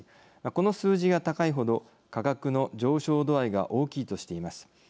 この数字が高いほど価格の上昇度合いが大きいとしています。